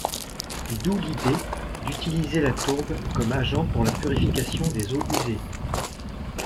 D'où l'idée d'utiliser la tourbe comme agent pour la purification des eaux usées.